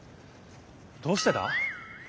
どうしてだ？